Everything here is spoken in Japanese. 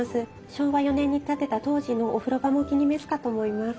昭和４年に建てた当時のお風呂場もお気に召すかと思います。